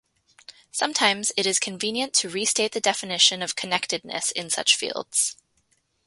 Sometimes it is convenient to restate the definition of connectedness in such fields.